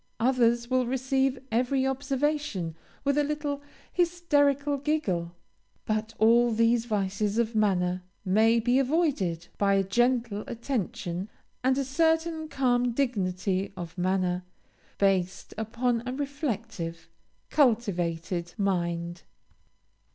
Others will receive every observation with a little hysterical giggle. But all these vices of manner may be avoided by a gentle attention and a certain calm dignity of manner, based upon a reflective, cultivated mind.